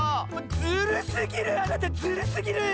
ズルすぎるあなたズルすぎる！